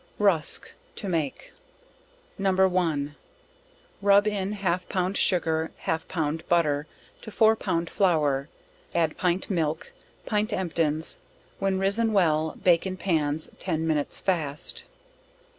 RUSK. To make. No. 1. Rub in half pound sugar, half pound butter, to four pound flour, add pint milk, pint emptins; when risen well, bake in pans ten minutes, fast.